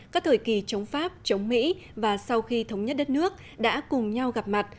các thời kỳ chống pháp chống mỹ và sau khi thống nhất đất nước đã cùng nhau gặp mặt